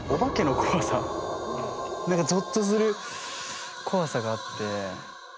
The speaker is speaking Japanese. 何かぞっとする怖さがあって。